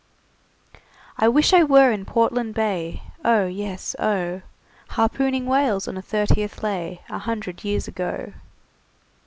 "I wish I were in Portland Bay, Oh, yes, Oh! Harpooning whales on a thirtieth lay, A hundred years ago."